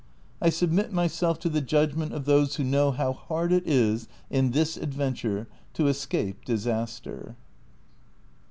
'' I submit myself to the judgment of those who know how hard it is, in this adventure, to escape disaster.